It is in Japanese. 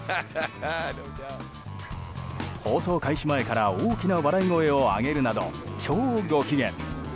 放送開始前から大きな笑い声を上げるなど超ご機嫌。